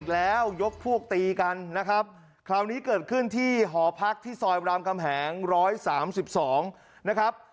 แล้วยกพวกตีกันนะครับคราวนี้เกิดขึ้นที่หอพักที่ซอยรามคำแหง๑๓๒นะครับ